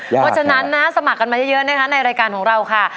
เพราะฉะนั้นนะสมัครกันมาเยอะนะคะในรายการของเราค่ะ